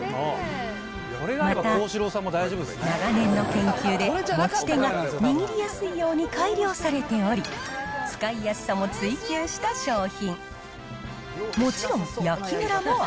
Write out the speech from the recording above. また、長年の研究で、持ち手が握りやすいように改良されており、使いやすさも追求した商品。